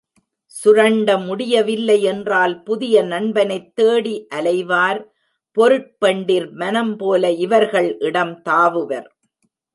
சுரண்ட முடியவில்லை என்றால் புதிய நண்பனைத் தேடி அலைவார் பொருட்பெண்டிர் மனம் போல இவர்கள் இடம் தாவுவர்.